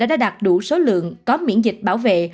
đã đạt đủ số lượng có miễn dịch bảo vệ